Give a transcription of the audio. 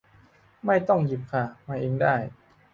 ไม่ต้องหยิบค่ะ มาเองได้